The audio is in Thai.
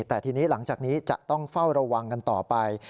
แต่ทีนี้หลังจากนี้จะต้องเฝ้าระวังกันต่อไป